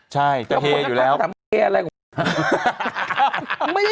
ใช่เธอเฮอยู่แล้วเดี๋ยวคนละเขาจะถามเฮอะไรกัน